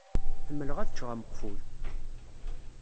Ḥemmleɣ ad ččeɣ ameqful.